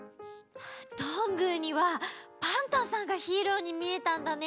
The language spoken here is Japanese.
どんぐーにはパンタンさんがヒーローにみえたんだね。